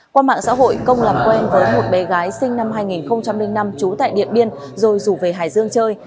qua mạng xã hội công làm quen với một bé gái sinh năm hai nghìn năm trú tại điện biên rồi rủ về hải dương chơi